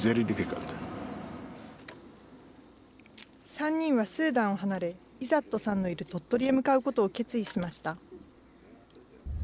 ３人はスーダンを離れ、イザットさんのいる鳥取へ向かうことを決意しました。